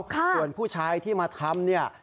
ส่วนผู้ชายที่มาทำเนี่ย